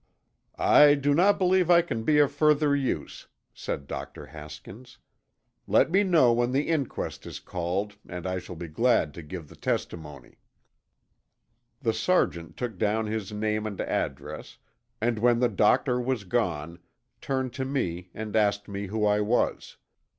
"I do not believe I can be of further use," said Dr. Haskins. "Let me know when the inquest is called and I shall be glad to give my testimony." The Sergeant took down his name and address, and, when the doctor was gone, turned to me and asked me who I was.